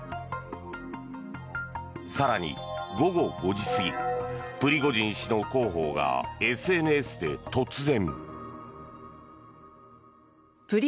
更に、午後５時過ぎプリゴジン氏の広報がＳＮＳで突然。